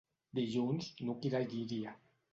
Dilluns n'Hug irà a Llíria.